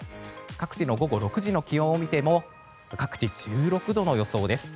各地の午後６時の気温を見ても各地、１６度の予想です。